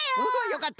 よかった。